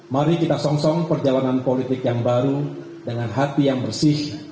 mari kita song song perjalanan politik yang baru dengan hati yang bersih